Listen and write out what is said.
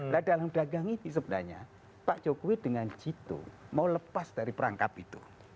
nah dalam dagang ini sebenarnya pak jokowi dengan jito mau lepas dari perangkap itu